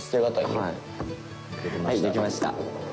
はいできました。